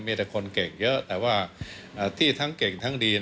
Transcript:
มีแต่คนเก่งเยอะแต่ว่าที่ทั้งเก่งทั้งดี